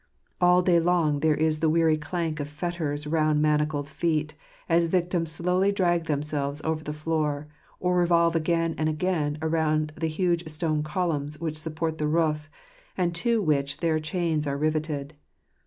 All day long there is the weary clank of fetters round manacled feet, as the victims slowly drag themselves over the floor, or revolve again and again around the huge stone columns which support the roof, and to which their chains are riveted.